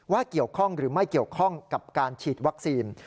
เกี่ยวข้องหรือไม่เกี่ยวข้องกับการฉีดวัคซีน